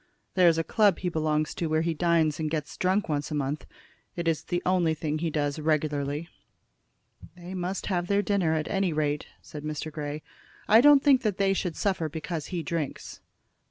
There is a club he belongs to where he dines and gets drunk once a month. It's the only thing he does regularly." "They must have their dinner, at any rate," said Mr. Grey. "I don't think they should suffer because he drinks."